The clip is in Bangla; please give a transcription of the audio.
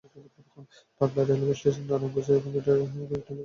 পাগলা রেলওয়ে স্টেশন দিয়ে নারায়ণগঞ্জ কমিউটার ও কয়েকটি লোকাল ট্রেন চলাচল করে।